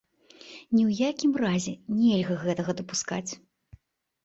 Ні ў якім разе нельга гэтага дапускаць.